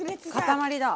塊だ。